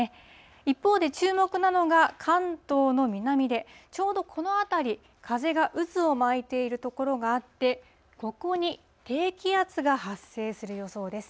一方で注目なのが、関東の南でちょうどこの辺り、風が渦を巻いている所があって、ここに低気圧が発生する予想です。